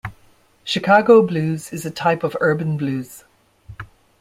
Chicago blues is a type of urban blues.